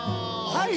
「はい」